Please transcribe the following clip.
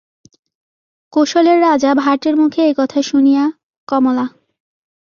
কোশলের রাজা ভাটের মুখে এই কথা শুনিয়া- কমলা।